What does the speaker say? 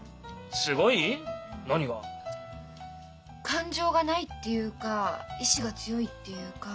感情がないっていうか意志が強いっていうか。